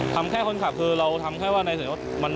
ทำแค่คนขับคือเราทำแค่ว่าในส่วนว่า